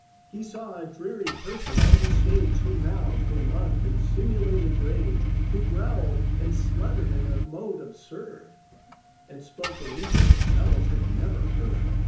He saw a dreary person on the stage, Who mouthed and mugged in simulated rage, Who growled and spluttered in a mode absurd, And spoke an English SOWLS had never heard.